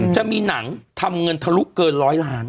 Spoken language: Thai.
จะมีหนังทำเงินทะลุเกินร้อยล้าน